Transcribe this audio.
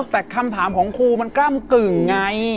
แต่คำถามของครูมันกล้ำกึ่งไง